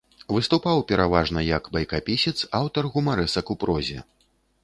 Выступаў пераважна як байкапісец, аўтар гумарэсак у прозе.